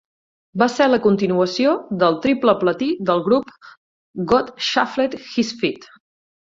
Va ser la continuació del triple platí del grup, 'God Shuffled His Feet'.